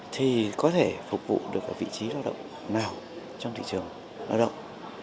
thì có thể phục vụ được ở vị trí lao động nào trong thị trường lao động